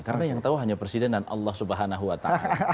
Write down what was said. karena yang tahu hanya presiden dan allah subhanahu wa ta'ala